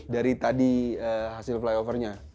dari tadi hasil fly overnya